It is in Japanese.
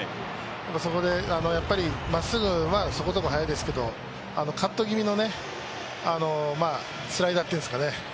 そこで、まっすぐはそこそこ速いですけど、カット気味のスライダーっていうんですかね